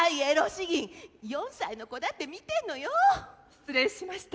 失礼しました。